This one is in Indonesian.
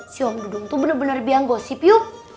si om dudung tuh bener bener biang gosip yuk